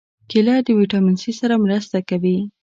کېله د ویټامین C سره مرسته کوي.